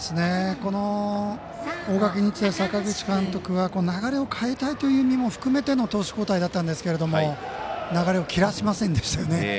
この大垣日大、阪口監督は流れを変えたいという意味も含めての投手交代だったんですけれども流れを切らせませんでしたよね。